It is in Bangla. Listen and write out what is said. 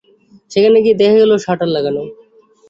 সেখানে গিয়ে দেখা গেল, শাটার লাগানো।